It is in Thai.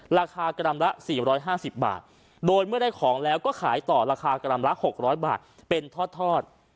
ราคากรัมละ๔๕๐บาทโดยเมื่อได้ของแล้วก็ขายต่อราคากรัมละ๖๐๐บาทเป็นทอด